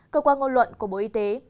cơ quan ngôn luận của bộ y tế